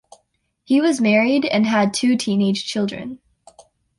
He was married and had two teenage children.